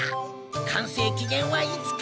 完成期限は５日。